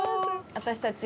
私たち。